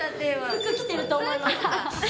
服着てると思います。